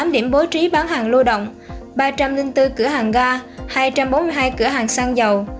tám trăm ba mươi tám điểm bố trí bán hàng lưu động ba trăm linh bốn cửa hàng ga hai trăm bốn mươi hai cửa hàng xăng dầu